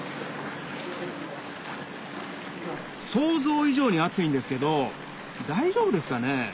想像以上に熱いんですけど大丈夫ですかね？